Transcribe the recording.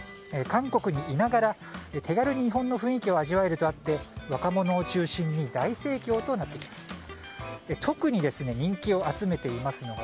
韓国にいながら手軽に日本の雰囲気を味わえるとあって若者を中心に大盛況となっています。